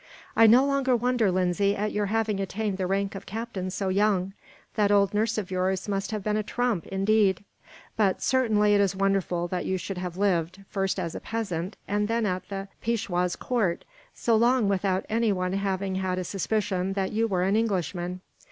"I no longer wonder, Lindsay, at your having attained the rank of captain so young. That old nurse of yours must have been a trump, indeed; but certainly it is wonderful that you should have lived, first as a peasant and then at the Peishwa's court, so long without anyone having had a suspicion that you were an Englishman.